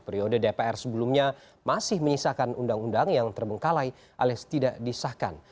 periode dpr sebelumnya masih menyisakan undang undang yang terbengkalai alias tidak disahkan